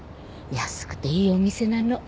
安くていいお店なの。